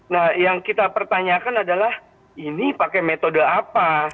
nah yang kita pertanyakan adalah ini pakai metode apa